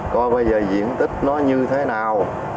coi bây giờ diện tích nó như thế nào